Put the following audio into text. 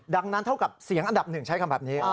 ดังนั้นเท่ากับเสียงอันดับหนึ่งใช้คำแบบนี้